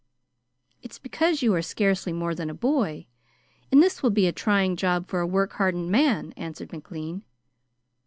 "It's because you are scarcely more than a boy, and this will be a trying job for a work hardened man," answered McLean.